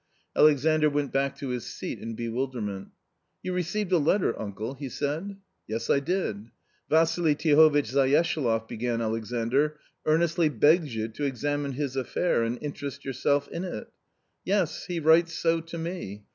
Alexandr went back to his seat in bewilderment. " You received a letter, uncle ?" he said. "Yes, I did." " Vassili Tihovitch Zayeshaloff," began Alexandr, " earnestly begs you to examine his affair and interest your self in it" " Yes, he writes so to me.